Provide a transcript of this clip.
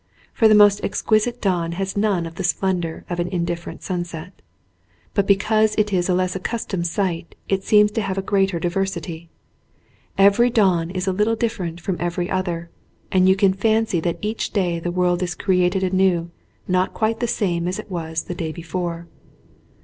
For the most exquisite dawn has none of the splendour of an indifferent sunset. But because it is a less accus tomed sight it seems to have a greater diversity. Every dawn is a little different from every other, and you can fancy that each day the world is created anew not quite the same as it was the day before.